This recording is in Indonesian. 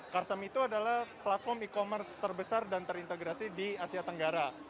karsam itu adalah platform e commerce terbesar dan terintegrasi di asia tenggara